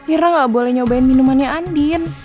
ira gak boleh nyobain minuman andin